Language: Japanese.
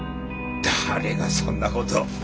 誰がそんなこと。